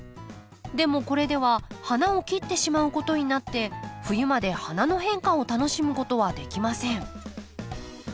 でもこれでは花を切ってしまうことになって冬まで花の変化を楽しむことはできません。